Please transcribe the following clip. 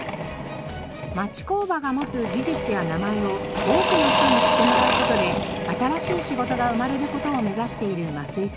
町工場が持つ技術や名前を多くの人に知ってもらう事で新しい仕事が生まれる事を目指している増井さん。